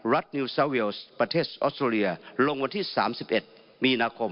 รัฐนิวเซลวิ๔๒ประเทศออสเตอรียลงวันที่๓๑มีนะคม